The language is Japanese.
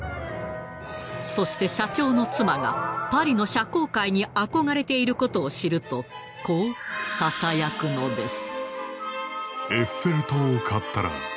そして社長の妻がパリの社交界に憧れていることを知るとこうささやくのです。